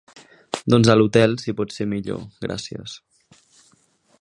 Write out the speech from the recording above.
Doncs a l'hotel si pot ser millor gràcies.